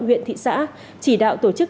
huyện thị xã chỉ đạo tổ chức